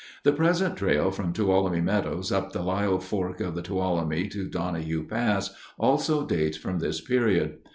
The present trail from Tuolumne Meadows up the Lyell Fork of the Tuolumne to Donohue Pass also dates from this period.